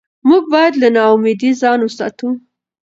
موږ باید له ناامیدۍ ځان وساتو